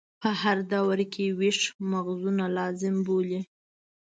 په هر دور کې یې ویښ مغزونه لازم بولي.